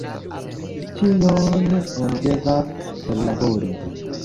Ĉion oni devas perlabori.